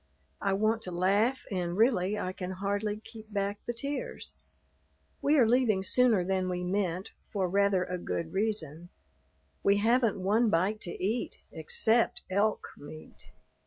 I want to laugh, and really I can hardly keep back the tears. We are leaving sooner than we meant, for rather a good reason. We haven't one bite to eat except elk meat.